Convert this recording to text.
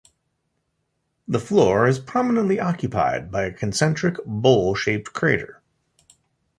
The floor is prominently occupied by a concentric, bowl-shaped crater.